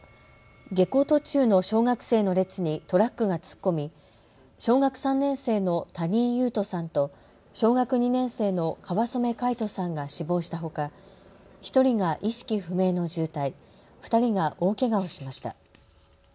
下校途中の小学生の列にトラックが突っ込み、小学３年生の谷井勇斗さんと小学２年生の川染凱仁さんが死亡したほか１人が意識不明の重体、２人が大けがをしました。